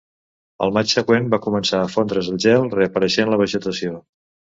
Al maig següent va començar a fondre's el gel reapareixent la vegetació.